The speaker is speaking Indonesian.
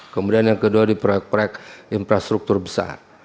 kemudian yang kedua di proyek proyek infrastruktur besar